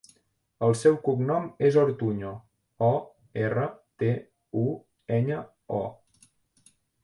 El seu cognom és Ortuño: o, erra, te, u, enya, o.